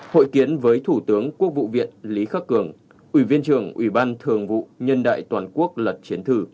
hội kiến với thủ tướng quốc vụ viện lý khắc cường ủy viên trưởng ủy ban thường vụ nhân đại toàn quốc lật chiến thử